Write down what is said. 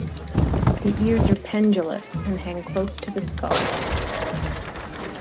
The ears are pendulous and hang close to the skull.